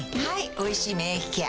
「おいしい免疫ケア」